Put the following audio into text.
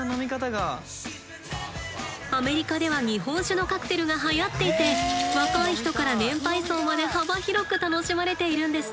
アメリカでは日本酒のカクテルがはやっていて若い人から年配層まで幅広く楽しまれているんですって。